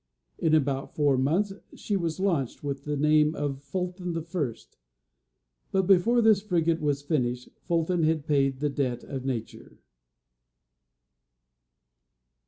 In about four months, she was launched with the name of Fulton the First; but before this frigate was finished, Fulton had paid the debt of nature.